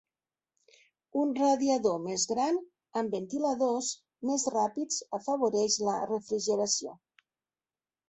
Un radiador més gran amb ventiladors més ràpids afavoreix la refrigeració.